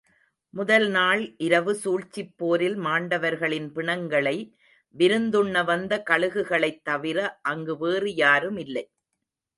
முதல்நாள் இரவு சூழ்ச்சிப் போரில் மாண்டவர்களின் பிணங்களை விருந்துண்ண வந்த கழுகுகளைத் தவிர அங்கு வேறு யாருமில்லை.